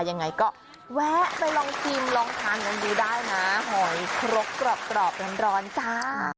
ยังไงก็แวะไปลองชิมลองทานกันดูได้นะหอยครกกรอบร้อนจ้า